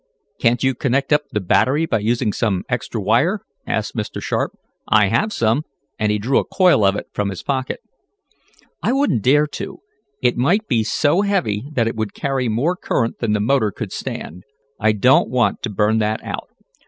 "Can't you connect up the battery by using some extra wire?" asked Mr. Sharp. "I have some," and he drew a coil of it from his pocket. "I wouldn't dare to. It might be so heavy that it would carry more current than the motor could stand. I don't want to burn that out.